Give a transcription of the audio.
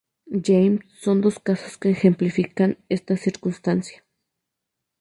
James son dos casos que ejemplifican esta circunstancia.